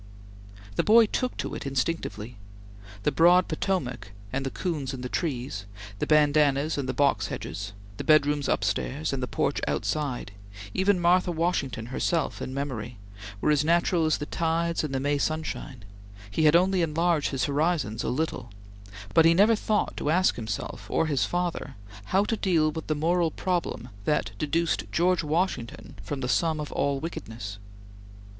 The boy took to it instinctively. The broad Potomac and the coons in the trees, the bandanas and the box hedges, the bedrooms upstairs and the porch outside, even Martha Washington herself in memory, were as natural as the tides and the May sunshine; he had only enlarged his horizon a little; but he never thought to ask himself or his father how to deal with the moral problem that deduced George Washington from the sum of all wickedness.